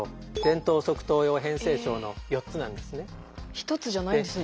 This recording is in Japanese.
１つじゃないんですね